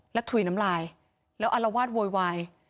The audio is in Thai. แล้วถุยน้ำลายแล้วอารวาสโวยวาย